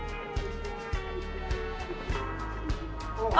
あ！